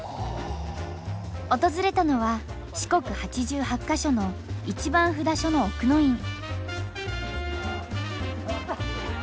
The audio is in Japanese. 訪れたのは四国八十八か所の一番札所の「奥の院」。